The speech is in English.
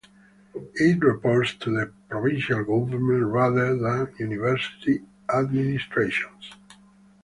It reports to the provincial government rather than university administration.